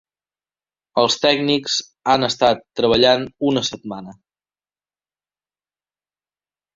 Els tècnics han estat treballant una setmana.